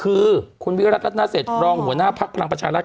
คือคุณวิรัติรัฐนาเศษรองหัวหน้าภักดิ์พลังประชารัฐ